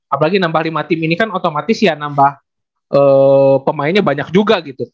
apalagi nambah lima tim ini kan otomatis ya nambah pemainnya banyak juga gitu